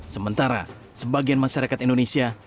sementara sebagian masyarakat indonesia